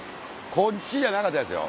こっちじゃなかったですよ。